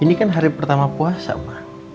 ini kan hari pertama puasa pak